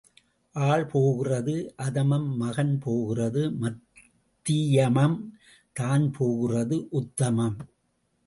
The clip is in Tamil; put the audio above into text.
ஆள் போகிறது அதமம் மகன் போகிறது மத்தியமம் தான் போகிறது உத்தமம்.